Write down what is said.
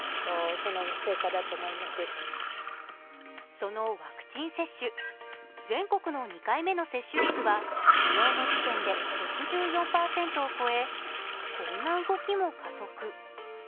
そのワクチン接種、全国の２回目の接種率は昨日の時点で６４％を超え、こんな動きも加速。